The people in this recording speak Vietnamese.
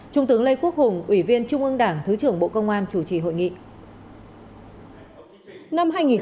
trung tướng lê quốc hùng ủy viên trung ương đảng thứ trưởng bộ công an chủ trì hội nghị